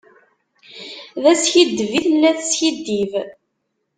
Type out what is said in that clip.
D askiddeb i tella tiskiddib.